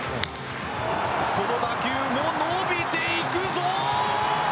この打球も伸びていくぞ！